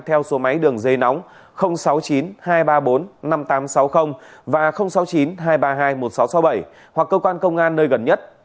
theo số máy đường dây nóng sáu mươi chín hai trăm ba mươi bốn năm nghìn tám trăm sáu mươi và sáu mươi chín hai trăm ba mươi hai một nghìn sáu trăm sáu mươi bảy hoặc cơ quan công an nơi gần nhất